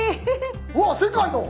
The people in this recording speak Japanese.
うわっ世界の！